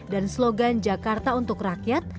dan slogan jakarta untuk rakyat